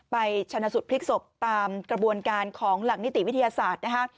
ชนะสุดพลิกศพตามกระบวนการของหลักนิติวิทยาศาสตร์นะคะ